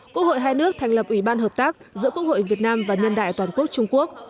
quốc hội hai nước thành lập ủy ban hợp tác giữa quốc hội việt nam và nhân đại toàn quốc trung quốc